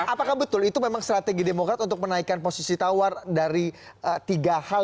apakah betul itu memang strategi demokrat untuk menaikkan posisi tawar dari tiga hal